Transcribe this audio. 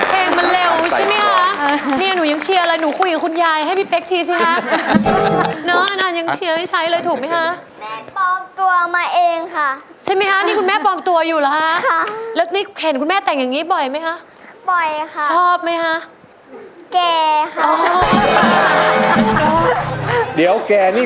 เพลงอันนี้มันเร็วมากเลยค่ะหนูก็เลยใช้